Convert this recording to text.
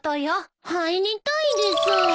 入りたいです。